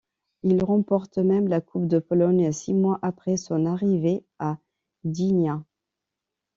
Il remporte même la Coupe de Pologne six mois après son arrivée à Gdynia.